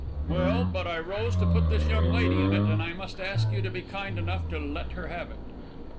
"Well, but I rose to put this young lady in it, and I must ask you to be kind enough to let her have it."